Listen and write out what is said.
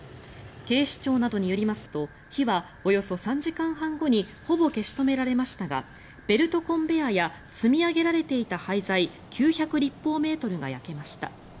警視庁などによりますと火はおよそ３時間半後にほぼ消し止められましたがベルトコンベヤーや積み上げられていた廃材９００立方メートルが焼けました。